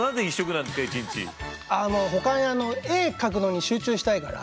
あの絵描くのに集中したいから。